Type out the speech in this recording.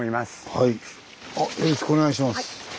はいあっよろしくお願いします。